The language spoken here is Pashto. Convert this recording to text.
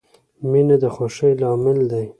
• مینه د خوښۍ لامل دی.